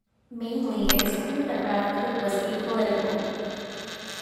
Mainly, it is clear that Rav Kook was apolitical.